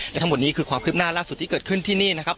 และทั้งหมดนี้คือความคืบหน้าล่าสุดที่เกิดขึ้นที่นี่นะครับ